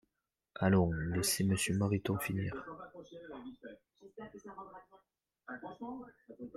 Allons, laissez Monsieur Mariton finir